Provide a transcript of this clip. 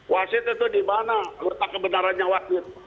wasit itu di mana letak kebenarannya wasit